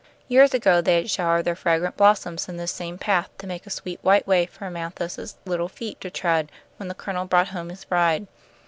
Years ago they had showered their fragrant blossoms in this same path to make a sweet white way for Amanthis's little feet to tread when the Colonel brought home his bride.